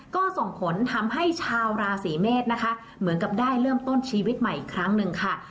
ก็ส่งผลทำให้ชาวราศีเมษนะคะเหมือนกับได้เริ่มต้นชีวิตใหม่อีกครั้งหนึ่งค่ะ